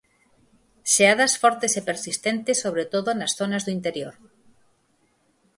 Xeadas fortes e persistentes sobre todo nas zonas do interior.